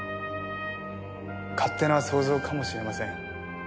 勝手な想像かもしれません。